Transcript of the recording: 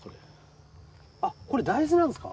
これ大豆なんですか？